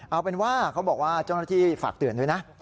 เอาเป็นว่าเจ้าหน้าที่ฝากเตือนด้วยนะ